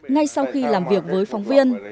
ngay sau khi làm việc với phóng viên